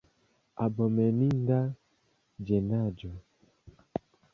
Abomeninda ĝenaĵo!